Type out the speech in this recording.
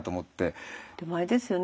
でもあれですよね